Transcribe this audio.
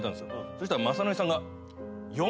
そしたら雅紀さんが。